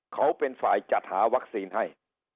เขาเป็นฝ่ายจัดหาวัคซีนให้